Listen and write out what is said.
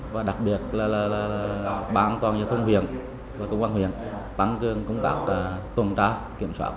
và đặc biệt là bán an toàn giao thông huyện và công an huyện tăng cường công tác tồn trá kiểm soát